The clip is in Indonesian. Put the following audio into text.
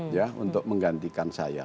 ya untuk menggantikan saya